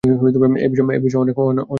এই বিষয়ে অনেক গ্রন্থ আছে।